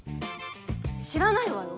知らないわよ。